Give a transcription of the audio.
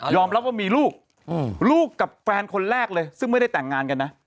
รับว่ามีลูกลูกกับแฟนคนแรกเลยซึ่งไม่ได้แต่งงานกันนะ